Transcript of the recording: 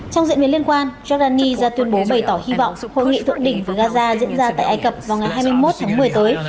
trong diễn biến liên quan jordanese tuyên bố bày tỏ hy vọng hội nghị tượng đỉnh của gaza diễn ra tại ai cập vào ngày hai mươi một tháng một mươi tới